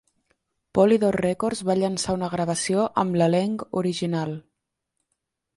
Polydor Records va llançar una gravació amb l"elenc original.